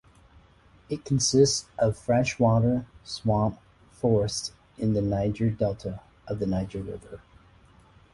It consists of freshwater swamp forests in the Niger Delta of the Niger River.